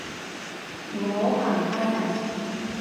唔好行開啊